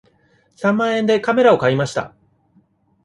三万円でカメラを買いました。